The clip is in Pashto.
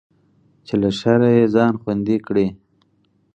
چې له شره يې ځان خوندي کړي.